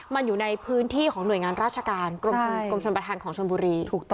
มันอยู่ในพื้นที่ของหน่วยงานราชการกรมชนประธานของชนบุรีถูกต้อง